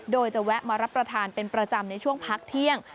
โดยจะแวะมารับประทานเป็นประจำในช่วงพักเที่ยง